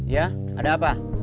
ya ada apa